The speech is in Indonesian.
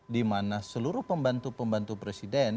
dimana seluruh pembantu pembantu presiden